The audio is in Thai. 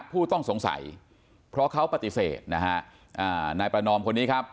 ผู้ต้องสงสัยเพราะเขาปฏิเสธนะฮะอ่านายประนอมคนนี้ครับ